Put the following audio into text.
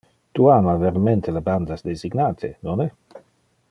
Tu ama vermente le bandas designate, nonne?